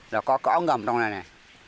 rồi có cỏ ngầm trong này nè